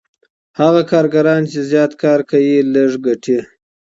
هغه کارګران چي زیات کار کوي لږ ګټي.